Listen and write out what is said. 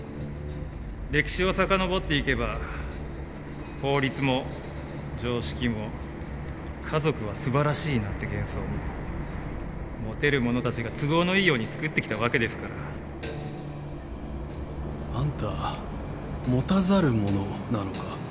歴史をさかのぼっていけば法律も常識も家族は素晴らしいなんて幻想も持てる者たちが都合のいいようにつくってきたわけですから。あんた持たざる者なのか？